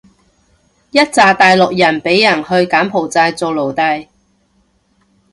一柞大陸人畀人去柬埔寨做奴隸